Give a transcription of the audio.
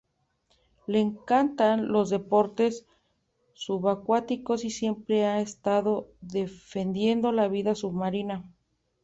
Le encantan los deportes subacuáticos y siempre ha estado defendiendo la vida submarina.